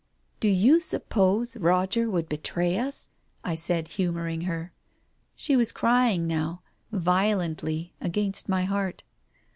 " Do you suppose Roger would betray us ?" I said, humouring her. She was crying now, violently, against my heart.